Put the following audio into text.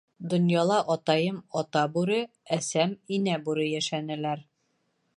Донъяла атайым — Ата Бүре, әсәм — Инә Бүре йәшәнеләр.